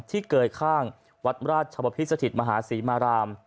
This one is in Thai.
เกยข้างวัดราชบพิษสถิตมหาศรีมาราม